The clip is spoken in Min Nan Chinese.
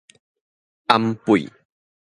腌屁